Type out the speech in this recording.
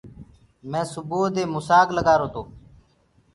مينٚ سُبئو دي موسآگ لگآرو گو۔